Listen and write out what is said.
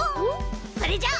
それじゃあ。